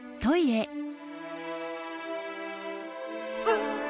うん。